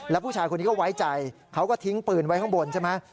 แล้วผู้ชายคนนี้ก็ไว้ใจเขาก็ทิ้งปืนไว้ข้างบนใช่ไหม